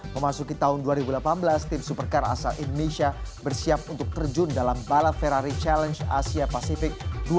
memasuki tahun dua ribu delapan belas tim supercar asal indonesia bersiap untuk terjun dalam balap ferrari challenge asia pasifik dua ribu delapan belas